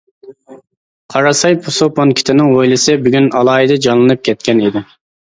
قاراساي سۇ پونكىتىنىڭ ھويلىسى بۈگۈن ئالاھىدە جانلىنىپ كەتكەن ئىدى.